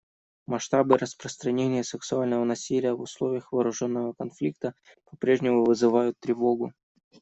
Масштабы распространения сексуального насилия в условиях вооруженного конфликта попрежнему вызывают тревогу.